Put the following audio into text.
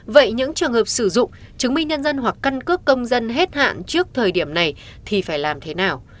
vậy những trường hợp sử dụng chứng minh nhân dân hoặc căn cước công dân hết hạn trước thời điểm này thì phải làm thế nào